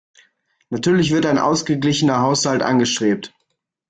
Natürlich wird ein ausgeglichener Haushalt angestrebt.